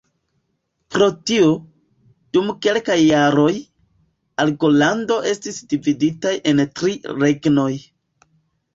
Pro tio, dum kelkaj jaroj, Argolando estis dividitaj en tri regnojn.